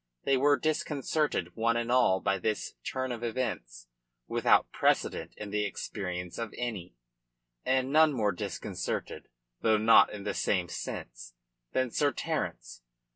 They were disconcerted one and all by this turn of events, without precedent in the experience of any, and none more disconcerted though not in the same sense than Sir Terence.